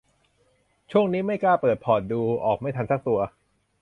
ช่วงนี้ไม่กล้าเปิดพอร์ตดู ออกไม่ทันสักตัว